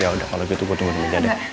yaudah kalau gitu gue tunggu di meja deh